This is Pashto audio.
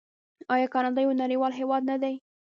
آیا کاناډا یو نړیوال هیواد نه دی؟